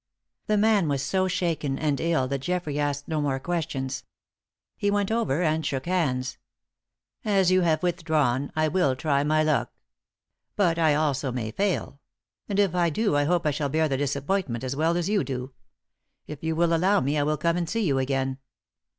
The man was so shaken and ill that Geoffrey asked no more questions. He went over and shook hands. "As you have withdrawn I will try my luck. But, I also may fail; and if I do I hope I shall bear the disappointment as well as you do. If you will allow me I will come and see you again."